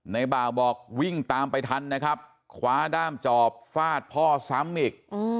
บ่าวบอกวิ่งตามไปทันนะครับคว้าด้ามจอบฟาดพ่อซ้ำอีก